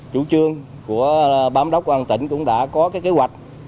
chủ trương của bám đốc an tỉnh cũng đã có cái kế hoạch